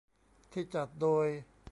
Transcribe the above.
ที่จัดโดย